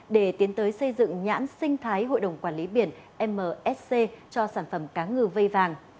để tiến tới xây dựng nhãn sinh thái hội đồng quản lý biển msc cho sản phẩm cá ngừ vây vàng